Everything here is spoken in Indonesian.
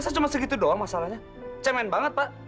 masa cuma segitu doang masalahnya cengmen banget pak